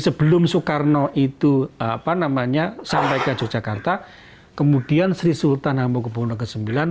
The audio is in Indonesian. sebelum soekarno itu apa namanya sampai ke yogyakarta kemudian sri sultan amangkubono ke sembilan